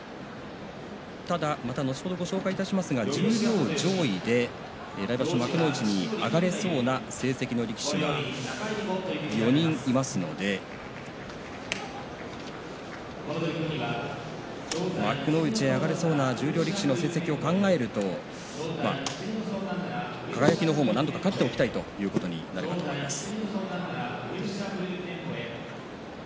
ただ後ほどご紹介いたしますが十両上位で来場所幕内に上がれそうな成績の力士が４人いますので幕内へ上がれそうな十両力士の成績を考えると輝の方もなんとか勝っておきたいということになるかと思います。